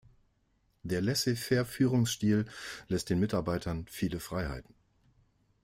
Der Laissez-faire-Führungsstil lässt den Mitarbeitern viele Freiheiten.